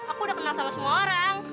aku udah kenal sama semua orang